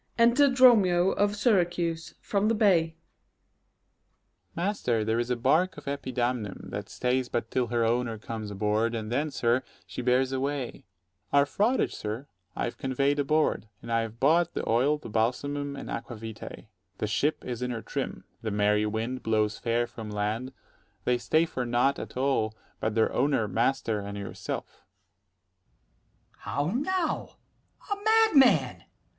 Enter DROMIO of Syracuse, from the bay. Dro. S. Master, there is a bark of Epidamnum 85 That stays but till her owner comes aboard, And then, sir, she bears away. Our fraughtage, sir, I have convey'd aboard; and I have bought The oil, the balsamum, and aqua vitæ. The ship is in her trim; the merry wind 90 Blows fair from land: they stay for nought at all But for their owner, master, and yourself. Ant. E. How now! a madman!